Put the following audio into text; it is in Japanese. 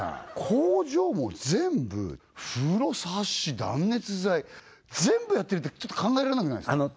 工場も全部風呂サッシ断熱材全部やってるってちょっと考えられなくないすか？